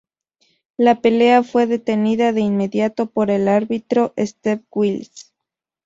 La pelea fue detenida de inmediato por el árbitro Steve Willis.